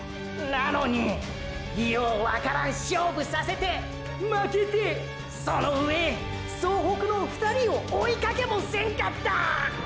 なのにーーようわからん勝負させて負けてそのうえ総北の２人を追いかけもせんかった！！